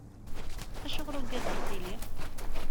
Acuɣer ugadeɣ tili?